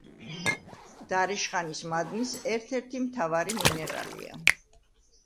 დარიშხანის მადნის ერთ-ერთი მთავარი მინერალია.